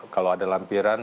kalau ada lampiran